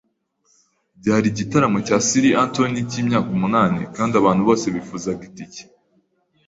Byari igitaramo cya Sir Anthony cyimyaka umunani kandi abantu bose bifuzaga itike.